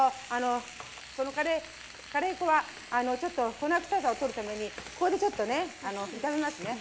カレー粉はちょっと粉臭さを取るためにここでちょっとね炒めますね。